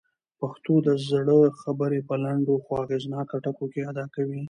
پښتو د زړه خبرې په لنډو خو اغېزناکو ټکو کي ادا کوي.